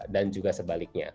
dan juga sebaliknya